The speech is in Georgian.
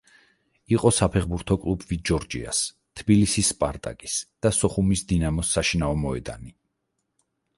იყო საფეხბურთო კლუბ „ვიტ ჯორჯიას“, თბილისის „სპარტაკის“ და სოხუმის „დინამოს“ საშინაო მოედანი.